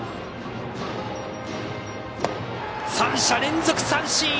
３者連続三振！